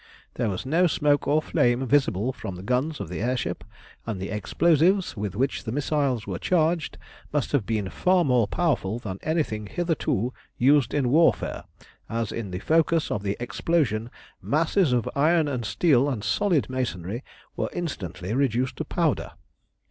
There was no smoke or flame visible from the guns of the air ship, and the explosives with which the missiles were charged must have been far more powerful than anything hitherto used in warfare, as in the focus of the explosion masses of iron and steel and solid masonry were instantly reduced to powder.